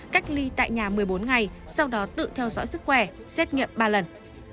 cách ly tại nhà một mươi bốn ngày sau đó tự theo dõi sức khỏe xét nghiệm ba lần